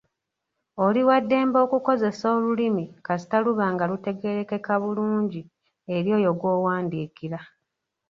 Oli wa ddembe okukozesa olulimi kasita luba nga lutegeerekeka bulungi eri oyo gw'owandiikira.